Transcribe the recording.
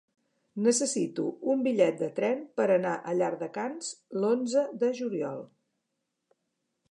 Necessito un bitllet de tren per anar a Llardecans l'onze de juliol.